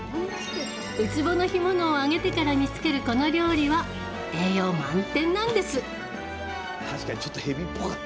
ウツボの干物を揚げてから煮つける、この料理は栄養満点なんです。